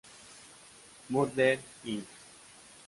Murder Inc.